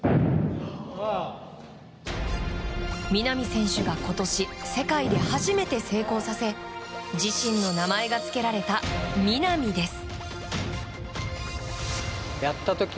南選手が今年世界で初めて成功させ自身の名前が付けられたミナミです。